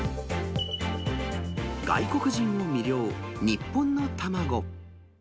外国人を魅了、日本のたまご。